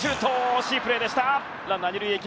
惜しいプレーでした。